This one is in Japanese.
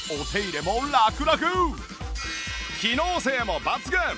機能性も抜群！